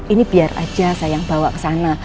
ini biar aja sayang bawa ke sana